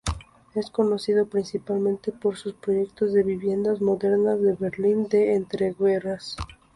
Es conocido principalmente por sus proyectos de viviendas modernas del Berlín de entreguerras.